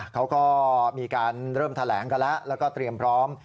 เขาก็มีการเริ่มแถลงกันแล้วแล้วก็เตรียมพร้อม